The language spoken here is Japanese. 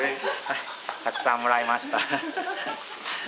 たくさんもらいました。